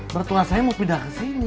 bertua saya mau pindah kesini